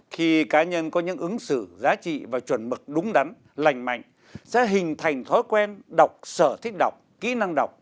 khi cá nhân có những ứng xử giá trị và chuẩn mực đúng đắn lành mạnh sẽ hình thành thói quen đọc sở thích đọc kỹ năng đọc